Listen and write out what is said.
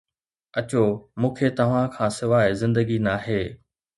اچو، مون کي توهان کان سواء زندگي ناهي.